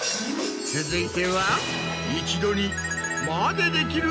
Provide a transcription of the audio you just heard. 続いては。